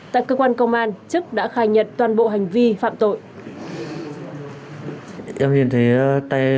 tại cơ quan công an trức đã khai nhận toàn bộ hành vi phạm tội